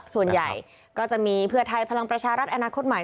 ส่วนใหญ่ก็จะมีเพื่อไทยพลังประชารัฐอนาคตใหม่